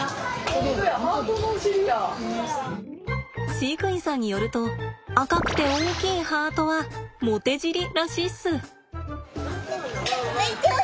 飼育員さんによると赤くて大きいハートはモテ尻らしいっす。